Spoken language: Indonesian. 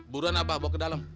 buruan apa bawa ke dalam